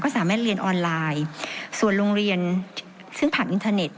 สามารถเรียนออนไลน์ส่วนโรงเรียนซึ่งผ่านอินเทอร์เน็ต